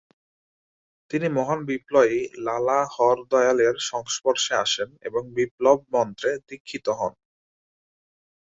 তিনি মহান বিপ্লবী লালা হরদয়াল-এর সংস্পর্শে আসেন এবং বিপ্লব মন্ত্রে দীক্ষিত হন।